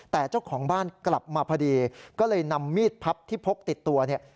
แต่เจ้าของบ้านกลับมาพอดีก็เลยนำมีดพับที่พกติดตัวเนี่ย